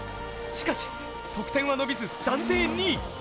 しかし、得点は伸びず、暫定２位。